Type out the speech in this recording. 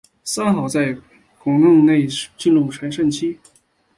三好在畿内进入了全盛期。